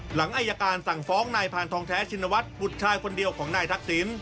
หลังอายการสั่งฟ้องนายพานทองแท้ชินวัฒน์บุตรชายคนเดียวของนายทักษิณ